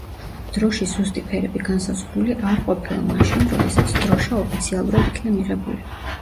დროშის ზუსტი ფერები განსაზღვრული არ ყოფილა მაშინ, როდესაც დროშა ოფიციალურად იქნა მიღებული.